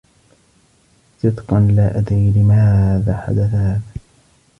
صدقا لا أدري لماذا حدث هذا.